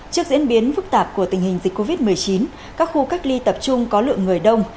trước diễn biến phức tạp của tình hình dịch covid một mươi chín các khu cách ly tập trung có lượng người đông